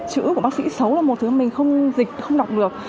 chữ của bác sĩ xấu là một thứ mình không dịch không đọc được